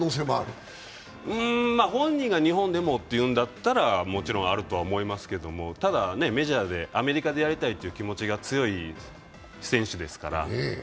本人が日本でもと言うのだったら、日本に帰ってくる可能性ももちろんあるとは思いますけど、ただメジャーで、アメリカでやりたいという気持ちが強い選手ですから。